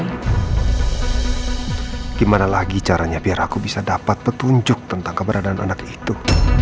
bagaimana caranya agar saya dapat petunjuk tentang keadaan anak itu